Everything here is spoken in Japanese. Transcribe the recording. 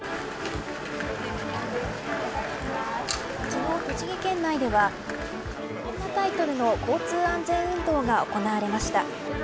昨日、栃木県内ではこんなタイトルの交通安全運動が行われました。